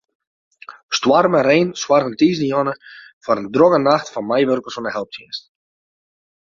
Stoarm en rein soargen tiisdeitejûn foar in drokke nacht foar meiwurkers fan de helptsjinsten.